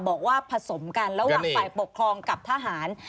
บอกว่าผสมกันแล้วหวังไปปกครองกับทหาร